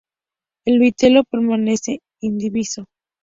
El vitelo permanece indiviso.